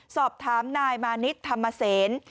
สอบถามนายมานิดธรรมเซน